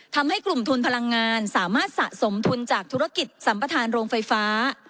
ทำให้กลุ่มทุนพลังงานสามารถสะสมทุนจากธุรกิจสัมประธานโรงไฟฟ้า